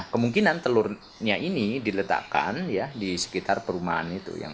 kemungkinan telurnya ini diletakkan di sekitar perumahan itu